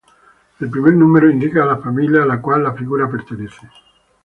El primer número indica la Familia a la cual la figura pertenece.